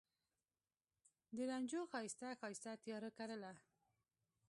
د رنجو ښایسته، ښایسته تیاره کرله